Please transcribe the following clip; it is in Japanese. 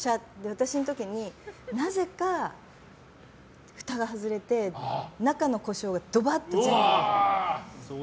私の時になぜか、ふたが外れて中のコショウがどばっと全部。